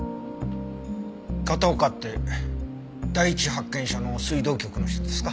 片岡って第一発見者の水道局の人ですか？